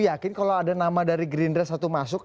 yakin kalau ada nama dari gerindra satu masuk